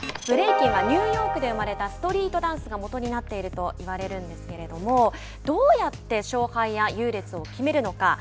ブレイキンはニューヨークで生まれたストリートダンスが元になっていると言われるんですけれどもどうやって勝敗や優劣を決めるのか。